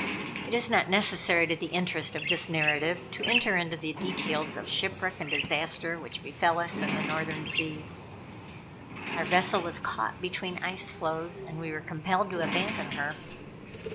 It is not necessary to the interest of this narrative to enter into the details of shipwreck and disaster, which befel us in the Northern Seas. Our vessel was caught between ice floes, and we were compelled to abandon her.